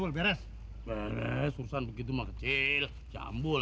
gimana beres beres susah begitu mah kecil jambul